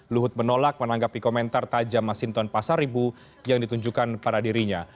luhut menolak menanggapi komentar tajam masinton pasar ibu yang ditunjukkan para dirinya